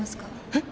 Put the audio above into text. えっ？